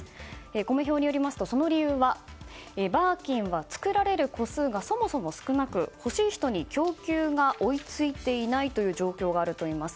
コメ兵によりますと、その理由はバーキンは作られる個数がそもそも少なく欲しい人に供給が追い付いていないという状況があるといいます。